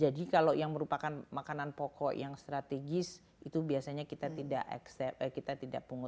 jadi kalau yang merupakan makanan pokok yang strategis itu biasanya kita tidak accept kita tidak punya